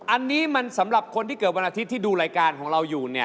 อันนี้มันสำหรับคนที่เกิดวันอาทิตย์ที่ดูรายการของเราอยู่เนี่ย